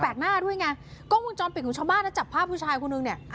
หน้าด้วยไงกล้องวงจรปิดของชาวบ้านนะจับภาพผู้ชายคนนึงเนี่ย